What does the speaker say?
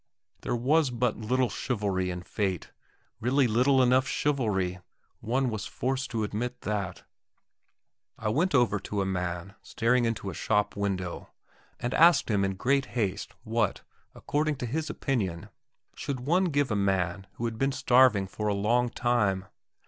There was but little chivalry in fate, really little enough chivalry; one was forced to admit that. I went over to a man staring into a shop window, and asked him in great haste what, according to his opinion, should one give a man who had been starving for a long time.